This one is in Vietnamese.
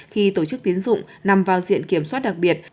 khi tổ chức tiến dụng nằm vào diện kiểm soát đặc biệt